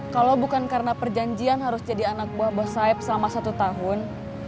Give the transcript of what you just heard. kalau bukan karena perjanjian harus jadi anak buah bos saib selama satu tahun